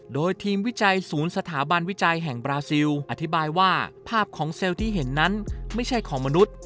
โดยทีมวิจัยศูนย์สถาบันวิจัยแห่งบราซิลอธิบายว่าภาพของเซลล์ที่เห็นนั้นไม่ใช่ของมนุษย์